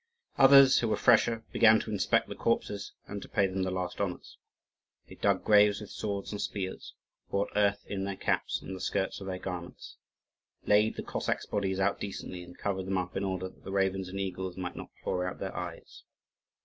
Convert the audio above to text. Others, who were fresher, began to inspect the corpses and to pay them the last honours. They dug graves with swords and spears, brought earth in their caps and the skirts of their garments, laid the Cossacks' bodies out decently, and covered them up in order that the ravens and eagles might not claw out their eyes.